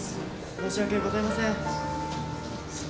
申し訳ございません。